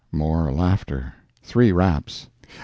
(more laughter). Three raps.